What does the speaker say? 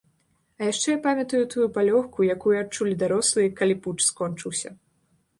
А яшчэ я памятаю тую палёгку, якую адчулі дарослыя, калі путч скончыўся.